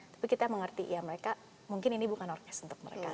tapi kita mengerti ya mereka mungkin ini bukan orkes untuk mereka